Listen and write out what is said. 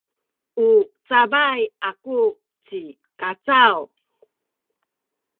u cabay aku ci Kacaw.